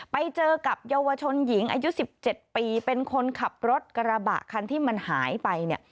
ไปเจอกับเยาวชนหญิงอายุ๑๗ปีเป็นคนขับรถกระบะคันที่มันหายไปเนี่ย